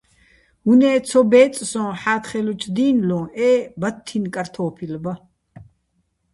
უ̂ნე́ ცო ბე́წე̆ სოჼ ჰ̦ა́თხელუჩო̆ დინლუჼ, ე ბათთინო̆ კართო́ფილ ბა.